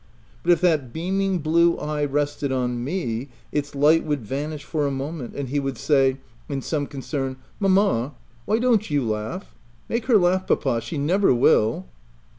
But if that beaming blue eye rested on me, its light would vanish for a moment, and he would Bay, c 2 28 THE TENANT in some concern, — u Mamma, why don't you laugh ? Make her laugh, papa — she never will."